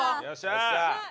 よっしゃー！